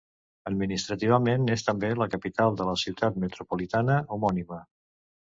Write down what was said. Administrativament és també la capital de la ciutat metropolitana homònima.